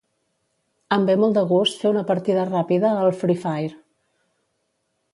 Em ve molt de gust fer una partida ràpida al "Free fire".